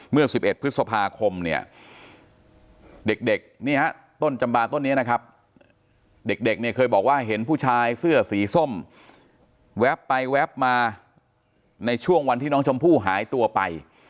เมื่อ๑๑พฤษภาคมเนี่ยเด็กนี่ฮะต้นจำบานต้นนี้นะครับเด็กเนี่ยเคยบอกว่าเห็นผู้ชายเสื้อสีส้มแวบไปแวบมาในช่วงวันที่น้องชมพู่หายตัวไป